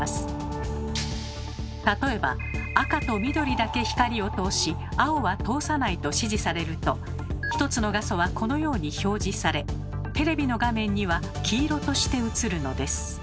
例えば「赤と緑だけ光を通し青は通さない」と指示されると１つの画素はこのように表示されテレビの画面には黄色として映るのです。